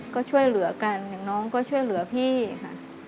ก็ช่วยเหลือกันอย่างน้องก็ช่วยเหลือพี่ค่ะ